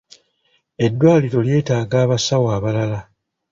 Eddwaliro lyetaaga abasawo abalala.